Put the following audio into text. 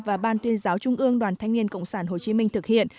và ban tuyên giáo trung ương đoàn thanh niên cộng sản hồ chí minh thực hiện